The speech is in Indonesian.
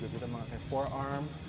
kita mengangkat fore arm